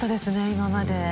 今まで。